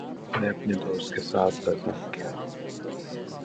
میں اپنے دوست کے ساتھ بازار گیا